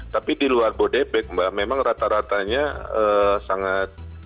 tapi di luar bodebek mbak memang rata ratanya sangat